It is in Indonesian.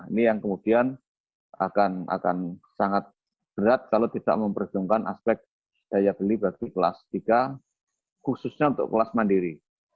ini yang kemudian akan sangat berat kalau tidak memperjuangkan aspek daya beli bagi kelas tiga khususnya untuk kelas mandiri